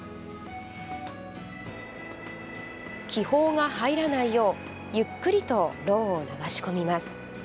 気泡が入らないようゆっくりとろうを流し込みます。